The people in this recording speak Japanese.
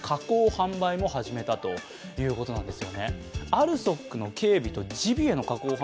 ＡＬＳＯＫの警備とジビエの加工技術